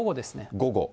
午後。